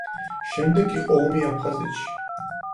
შემდეგ იყო ომი აფხაზეთში.